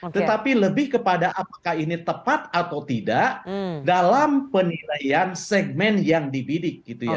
tetapi lebih kepada apakah ini tepat atau tidak dalam penilaian segmen yang dibidik gitu ya